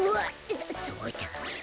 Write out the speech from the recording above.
そそうだ。